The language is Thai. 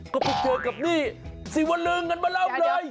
ก็พอเจอกับนี่สีวะลึงนั้นมาเริ่มเลย